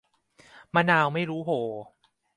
มะนาวไม่รู้โห่